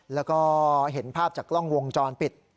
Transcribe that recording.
แล้วก็เห็นภาพจากกล้องวงจรปิด